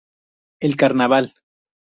El Carnaval.